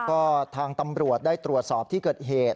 ก็ทางตำรวจได้ตรวจสอบที่เกิดเหตุ